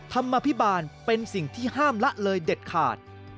ธรรมภิบาลเป็นสิ่งที่ห้ามละเลยเด็ดขาด